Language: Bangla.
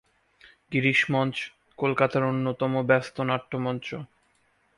গিরিশ মঞ্চ কলকাতার অন্যতম ব্যস্ত নাট্যমঞ্চ।